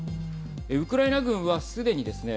ウクライナ軍は、すでにですね